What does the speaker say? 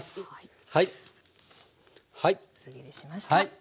薄切りしました。